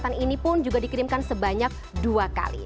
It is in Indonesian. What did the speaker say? pesan ini pun juga dikirimkan sebanyak dua x